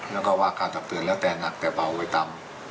แล้วก็ว่าการตักเตือนแล้วแต่หนักแต่เบาไว้ต่ำ